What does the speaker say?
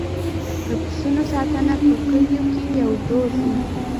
د پسونو ساتنه په کلیو کې یو دود دی.